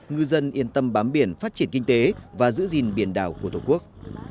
ngư dân yên tâm bám biển phát triển kinh tế và giữ gìn biển đảo của tổ quốc